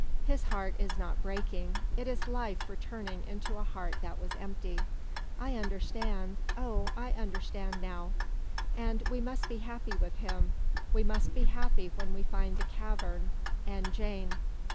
His heart is not breaking. It is life returning into a heart that was empty. I understand oh, I understand now! And we must be happy with him. We must be happy when we find the cavern and Jane!"